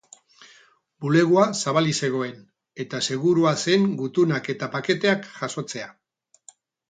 Bulegoa zabalik zegoen, eta segurua zen gutunak eta paketeak jasotzea.